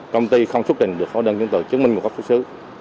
công ty không xuất định được khóa đơn chứng tự chứng minh một gốc xuất xứ